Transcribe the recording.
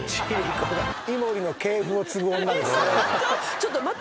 ちょっと待って。